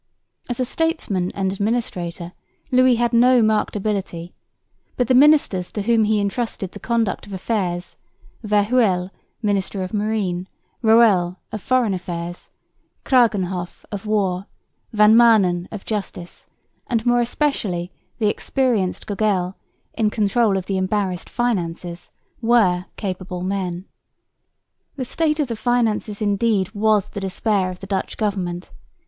As a statesman and administrator Louis had no marked ability, but the ministers to whom he entrusted the conduct of affairs, Verhuell, minister of marine, Roëll, of foreign affairs, Kragenhoff, of war, Van Maanen, of justice, and more especially the experienced Gogel, in control of the embarrassed finances, were capable men. The state of the finances indeed was the despair of the Dutch government.